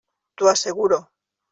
T'ho asseguro.